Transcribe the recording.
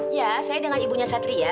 ya saya dengan ibunya satria